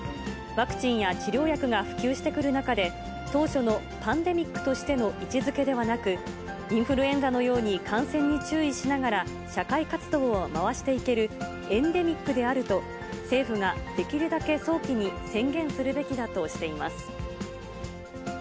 ワクチンや治療薬が普及してくる中で、当初のパンデミックとしての位置づけではなく、インフルエンザのように感染に注意しながら、社会活動を回していけるエンデミックであると、政府ができるだけ早期に宣言するべきだとしています。